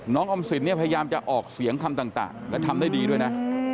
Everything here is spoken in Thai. ออมสินเนี่ยพยายามจะออกเสียงคำต่างและทำได้ดีด้วยนะ